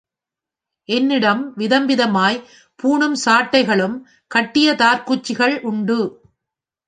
என்னிடம் விதம் விதமாய்ப் பூணும் சாட்டைகளும் கட்டிய தார்க்குச்சிகள் உண்டு.